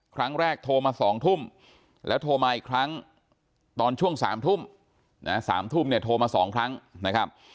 ครั้งแรกโทรมาสองทุ่มแล้วโทรมาอีกครั้งตอนช่วงสามทุ่มสามทุ่มเนี่ยโทรมาสองครั้งนะครับ